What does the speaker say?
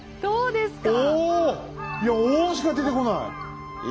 いや「おお」しか出てこない。